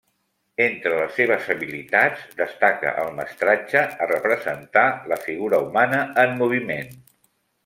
Entre les seves habilitats, destaca el mestratge a representar la figura humana en moviment.